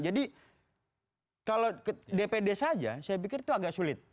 jadi kalau dpd saja saya pikir itu agak sulit